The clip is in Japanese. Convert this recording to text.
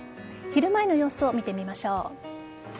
昼前の様子を見てみましょう。